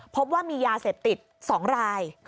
พบว่ามียาเสพติด๒ราย